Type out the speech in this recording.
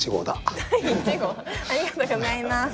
ありがとうございます。